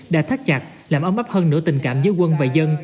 đã thắt chặt làm ấm áp hơn nửa tình cảm giữa quân và dân